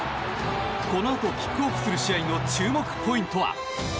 このあとキックオフする試合の注目ポイントは。